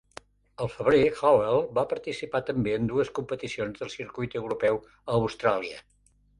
Al febrer, Howell va participar també en dues competicions del Circuit Europeu a Austràlia.